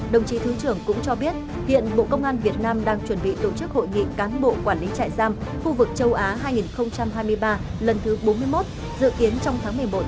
đồng chí thứ trưởng cũng cho biết hiện bộ công an việt nam đang chuẩn bị tổ chức hội nghị cán bộ quản lý trại giam khu vực châu á hai nghìn hai mươi ba lần thứ bốn mươi một dự kiến trong tháng một mươi một